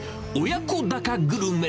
親子だかグルメ。